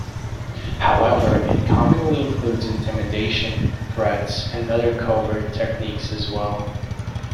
However, it commonly includes intimidation, threats, and other covert techniques as well.